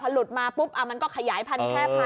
หลุดมาปุ๊บมันก็ขยายพันธุแค่พัน